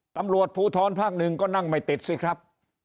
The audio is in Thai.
ตำรวจภูทรภาคหนึ่งก็นั่งไม่ติดสิครับ